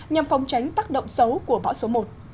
nhằm phòng tránh tác động xấu của bão số một